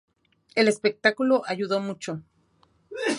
El espectáculo ayudó mucho.